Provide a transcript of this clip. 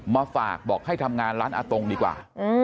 มาฝากบอกให้ทำงานร้านอาตงดีกว่า